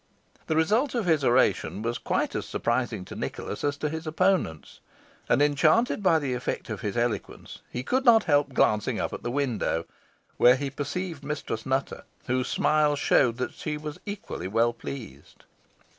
The result of his oration was quite as surprising to Nicholas as to his opponents, and, enchanted by the effect of his eloquence, he could not help glancing up at the window, where he perceived Mistress Nutter, whose smiles showed that she was equally well pleased.